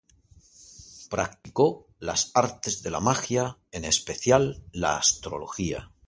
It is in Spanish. Practicó las artes de la magia, en especial la astrología.